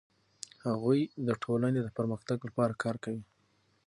هغوی د ټولنې د پرمختګ لپاره کار کوي.